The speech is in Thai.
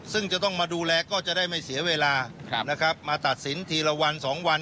ซึ่งจะต้องมาดูแลก็จะได้ไม่เสียเวลานะครับมาตัดสินทีละวัน๒วัน